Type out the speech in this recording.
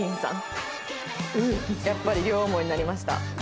やっぱり両思いになりました。